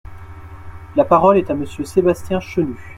La parole est à Monsieur Sébastien Chenu.